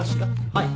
はい。